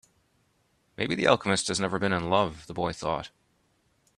Maybe the alchemist has never been in love, the boy thought.